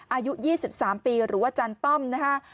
อายุ๒๓ปีหรือว่าอาจารย์ต้อมนะฮะ